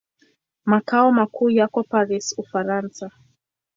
Makao makuu yako Paris, Ufaransa.